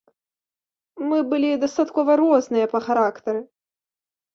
Мы былі дастаткова розныя па характары.